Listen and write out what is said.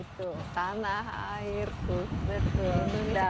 tanah air betul